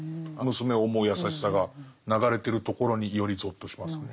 娘を思う優しさが流れてるところによりゾッとしますね。